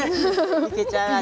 いけちゃう味。